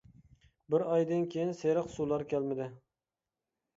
بىر ئايدىن كېيىن سېرىق سۇلار كەلمىدى.